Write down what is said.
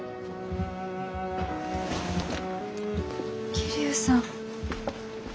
桐生さん。